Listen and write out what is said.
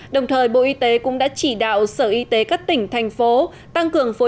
đồng thời bộ y tế cũng đã chỉ đạo sở y tế các tỉnh thành phố